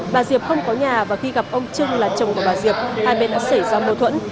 bà diệp không có nhà và khi gặp ông trưng là chồng của bà diệp hai bên đã xảy ra mâu thuẫn